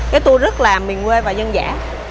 cái tour rất là miền quê và dân dã